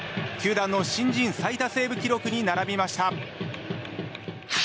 球団の新人最多セーブ記録に並びました。